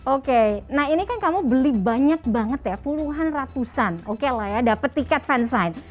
oke nah ini kan kamu beli banyak banget ya puluhan ratusan oke lah ya dapat tiket fansign